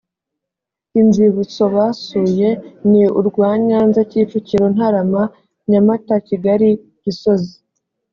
inzibutso basuye ni urwa nyanza kicukiro ntarama nyamata kigali gisozi